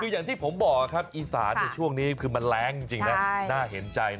คืออย่างที่ผมบอกครับอีสานช่วงนี้คือมันแรงจริงนะน่าเห็นใจนะ